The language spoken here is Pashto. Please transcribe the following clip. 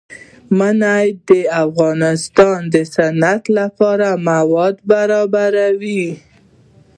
منی د افغانستان د صنعت لپاره مواد برابروي.